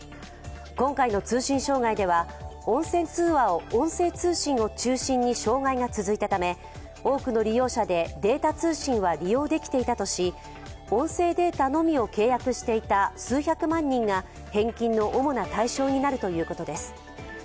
今回の通信障害では音声通信を中心に障害が続いたため多くの利用者でデータ通信は利用できていたとし、音声データのみを契約していた数百万人が返金の主な対象になるということです。